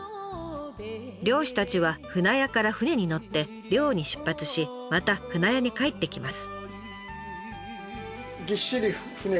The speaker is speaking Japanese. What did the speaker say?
漁師たちは舟屋から船に乗って漁に出発しまた舟屋に帰ってきます。